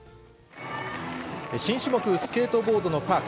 新種目、スケートボードのパーク。